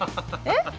えっ！